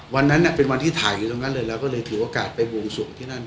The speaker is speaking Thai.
วันนั้นเป็นวันที่ถ่ายอยู่ตรงนั้นเลยเราก็เลยถือโอกาสไปวงสวงที่นั่น